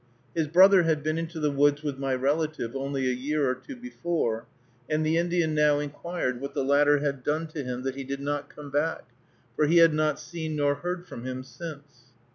His brother had been into the woods with my relative only a year or two before, and the Indian now inquired what the latter had done to him, that he did not come back, for he had not seen nor heard from him since.